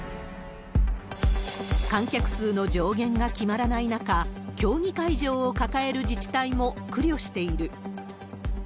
観客数の上限が決まらない中、競技会場を抱える自治体も苦慮している。